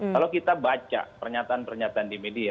kalau kita baca pernyataan pernyataan di media